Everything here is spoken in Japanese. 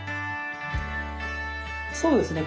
そうですね。